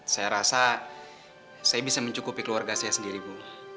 saya rasa saya bisa mencukupi keluarga saya sendiri bu